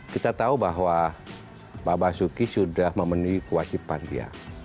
kita tahu bahwa bapak suki sudah memenuhi kewajiban dia